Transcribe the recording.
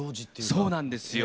そうなんですよ。